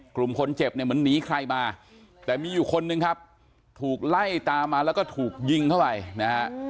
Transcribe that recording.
กลุ่มคนเจ็บเนี่ยเหมือนหนีใครมาแต่มีอยู่คนนึงครับถูกไล่ตามมาแล้วก็ถูกยิงเข้าไปนะฮะ